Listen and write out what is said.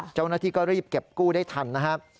เจ้าหน้าที่ก็รีบเก็บกู้ได้ทันนะครับ